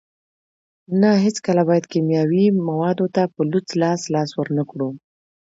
نه هیڅکله باید کیمیاوي موادو ته په لوڅ لاس لاس ورنکړو.